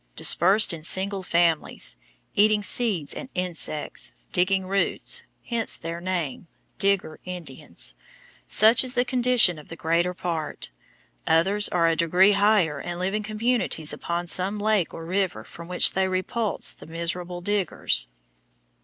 dispersed in single families ... eating seeds and insects, digging roots (hence their name) [Digger Indians], such is the condition of the greater part. Others are a degree higher and live in communities upon some lake or river from which they repulse the miserable Diggers.